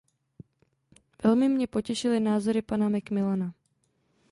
Velmi mě potěšily názory pana McMillana.